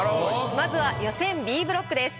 まずは予選Ｂブロックです。